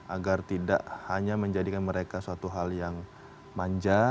agar tidak hanya menjadikan mereka suatu hal yang manja